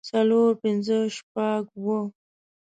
څلور پنځۀ شپږ اووه